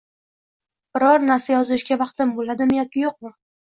Biror narsa yozishga vaqtim bo'ladimi yoki yo'qmi.